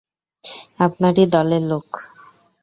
আপনারই দলের লোক!